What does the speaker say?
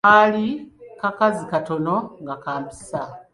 kaali kakazi katono, nga ka mpisa.